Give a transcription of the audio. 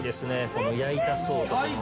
この焼いた層とこのね。